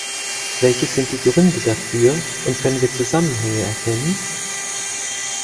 Welches sind die Gründe dafür, und können wir Zusammenhänge erkennen?